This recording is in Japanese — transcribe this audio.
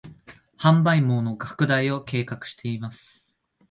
販売網の拡大を計画しています